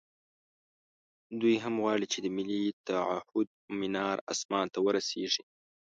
دوی هم غواړي چې د ملي تعهُد منار اسمان ته ورسېږي.